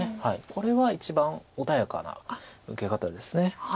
これは一番穏やかな受け方です。